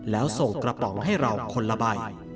แล้วส่งกระป๋องให้เราคนละใบ